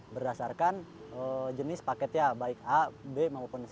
berdasarkan jenis paketnya baik a b maupun c